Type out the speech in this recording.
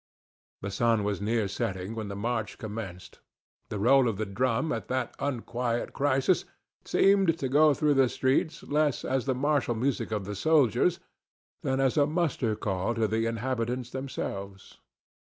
The sun was near setting when the march commenced. The roll of the drum at that unquiet crisis seemed to go through the streets less as the martial music of the soldiers than as a muster call to the inhabitants themselves.